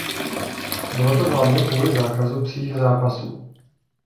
Bylo to hlavně kvůli zákazu psích zápasů.